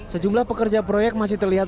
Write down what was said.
sejumlah pekerja proyek masih terlihat